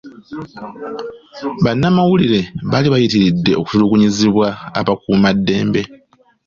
Bannamawulire baali bayitiredde okutulugunyizibwa abakuumaddembe.